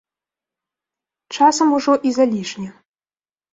Часам ужо і залішне.